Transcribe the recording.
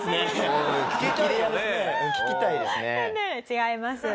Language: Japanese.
違います。